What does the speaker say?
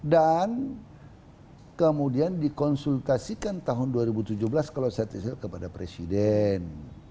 dan kemudian dikonsultasikan tahun dua ribu tujuh belas kalau saya tekan kepada presiden